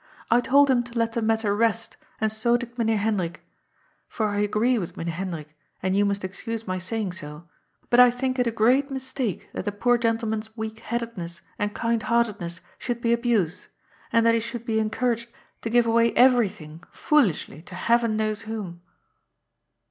" I told him to let the matter rest, and so did Men eer Hendrik. For I agree with Meneer Hendrik, and you must excuse my saying so, but I think it a great mistake that the poor gentleman's weak headedness and kind heart edness should be abused, and that he should be encouraged to give away everything foolishly to Heaven knows whom."